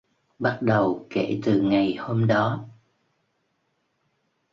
Bắt đầu kể từ ngày hôm đó